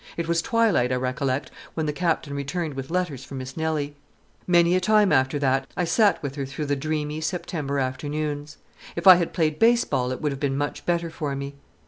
It was twilight, I recollect, when the Captain returned with letters for Miss Nelly. Many a time after that I sat with her through the dreamy September afternoons. If I had played baseball it would have been much better for me.